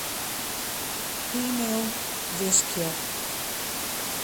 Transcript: E-mail wiskje.